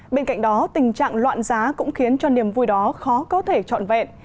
bên cạnh đó tình trạng loạn giá cũng khiến cho niềm vui đó khó có thể trọn vẹn